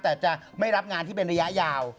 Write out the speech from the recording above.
แต่จะไม่รับงานที่เป็นระยะยาว